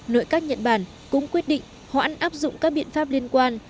nội các nhật bản cũng quyết định hoãn áp dụng các biện pháp liên quan